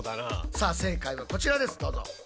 さあ正解はこちらですどうぞ。